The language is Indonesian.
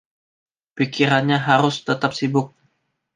Pikirannya harus tetap sibuk.